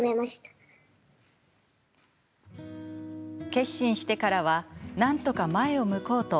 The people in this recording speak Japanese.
決心してからはなんとか前を向こうと